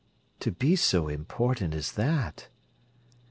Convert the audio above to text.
"To be so important as that!"